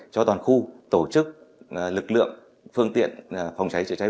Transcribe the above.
cho toàn khu tổ chức lực lượng phương tiện phòng cháy chữa cháy